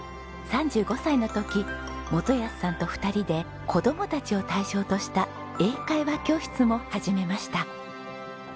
３５歳の時基保さんと２人で子供たちを対象とした英会話教室も始めました。